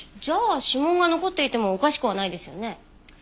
じゃあ指紋が残っていてもおかしくはないですよね。